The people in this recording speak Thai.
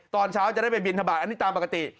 ตอนเช้าจะได้ไปบินทบาทอันนี้ตามปกติ